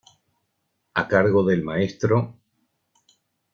A cargo del Mtro.